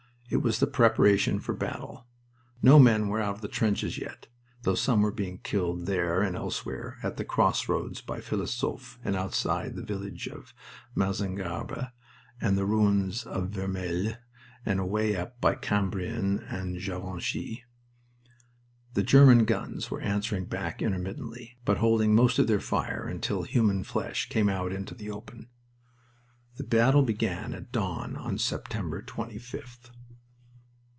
It was the preparation for battle. No men were out of the trenches yet, though some were being killed there and elsewhere, at the crossroads by Philosophe, and outside the village of Masingarbe, and in the ruins of Vermelles, and away up at Cambrin and Givenchy. The German guns were answering back intermittently, but holding most of their fire until human flesh came out into the open. The battle began at dawn on September 25th.